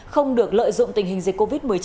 không được lợi dụng tình hình dịch covid một mươi chín